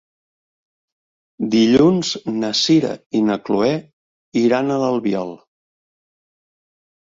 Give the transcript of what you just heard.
Dilluns na Sira i na Chloé iran a l'Albiol.